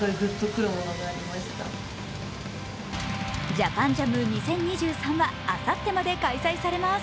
ＪＡＰＡＮＪＡＭ２０２３はあさってまで開催されます。